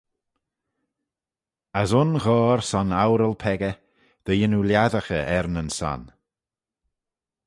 As un ghoayr son oural-peccah, dy yannoo lhiasaghey er nyn son.